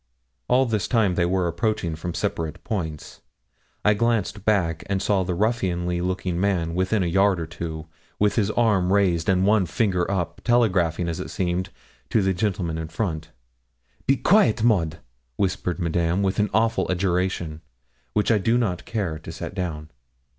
All this time they were approaching from separate points. I glanced back, and saw the ruffianly looking man within a yard or two, with his arm raised and one finger up, telegraphing, as it seemed, to the gentlemen in front. 'Be quaite, Maud,' whispered Madame, with an awful adjuration, which I do not care to set down.